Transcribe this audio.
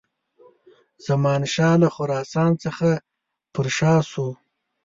زمانشاه له خراسان څخه پر شا سو.